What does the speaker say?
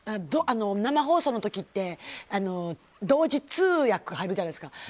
生放送の時って同時通訳入るじゃないですか。